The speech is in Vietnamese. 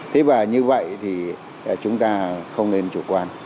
thế và như vậy thì chúng ta không nên chủ quan